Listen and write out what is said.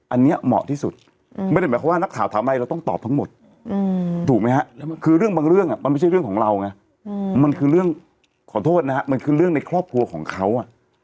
อันนี้เหมาะที่สุดไม่ได้หมายความว่านักข่าวถามอะไรเราต้องตอบทั้งหมดถูกไหมฮะคือเรื่องบางเรื่องมันไม่ใช่เรื่องของเราไงมันคือเรื่องขอโทษนะฮะมันคือเรื่องในครอบครัวของเขา